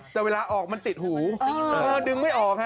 แต่เวลาออกมันติดหูดึงไม่ออกฮะ